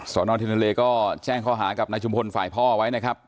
สวนอดที่นั่นเลยก็แช่งข้อหากับนายชุมพลฝ่ายพ่อไว้นะครับ